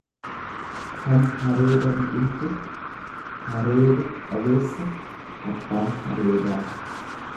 kan hareeda biqilche, hareeda qabeessa, abbaa hareedaa.